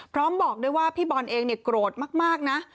พร้อมบอกด้วยว่าพี่บอลเองโกรธมากนะ